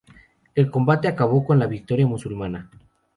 El combate acabó con la victoria musulmana.